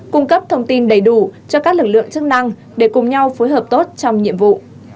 cung cấp thông tin đầy đủ cho các lực lượng chức năng để cùng nhau phối hợp tốt trong nhiệm vụ